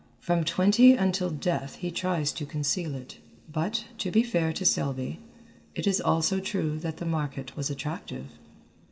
From twenty until death he tries to conceal it. But, to be fair to Selby, it is also true that the market was attractive.